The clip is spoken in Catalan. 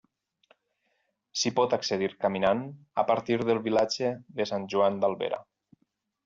S'hi pot accedir caminant a partir del vilatge de Sant Joan d'Albera.